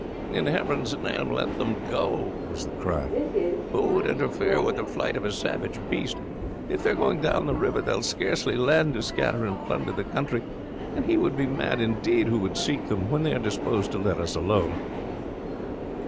"In Heaven's name let them go!" was the cry; "who would interfere with the flight of a savage beast? If they are going down the river they will scarcely land to scatter and plunder the country, and he would be mad indeed who would seek them when they are disposed to let us alone."